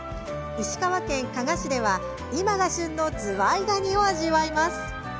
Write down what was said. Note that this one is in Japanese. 石川県加賀市では今が旬のズワイガニを味わいます。